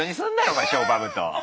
お前ショーパブと。